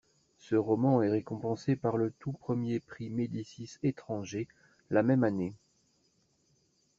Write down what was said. Ce roman est récompensé par le tout premier Prix Médicis étranger la même année.